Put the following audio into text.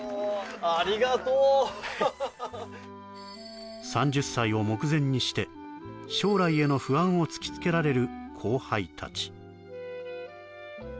ありがとうハハハハ３０歳を目前にして将来への不安を突きつけられる後輩たち